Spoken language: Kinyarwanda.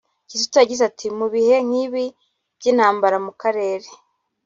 Kizito yagize ati “Mu bihe nk’ibi by’intambara mu karere